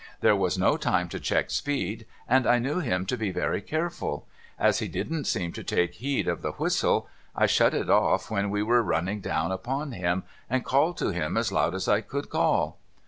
There was no time to check speed, and I knew him to be very careful. As he didn't seem to take heed of the whistle, I shut it off when we were running down upon him, and called to him as loud as I could call.'